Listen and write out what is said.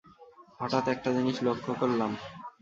হঠাৎ একটা জিনিস লক্ষ করলাম।